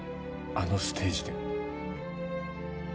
あのステージで。